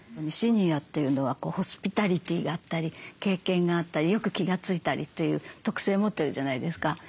シニアっていうのはホスピタリティーがあったり経験があったりよく気が付いたりという特性持ってるじゃないですか。